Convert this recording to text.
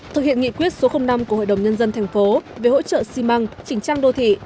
thực hiện nghị quyết số năm của hội đồng nhân dân thành phố về hỗ trợ xi măng chỉnh trang đô thị